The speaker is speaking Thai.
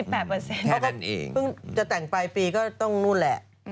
เขาก็เพิ่งจะแต่งปลายปีก็ต้องนู่นแหละ